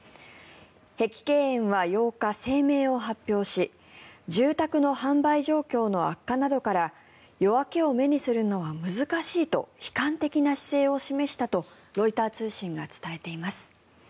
碧桂園は８日、声明を発表し住宅の販売状況の悪化などから夜明けを目にするのは難しいと悲観的な姿勢を示したとロイター通信が伝えています。